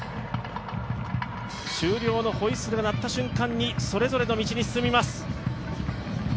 終了のホイッスルが鳴った瞬間に、それぞれの道に進みます。